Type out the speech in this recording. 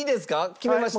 決めました？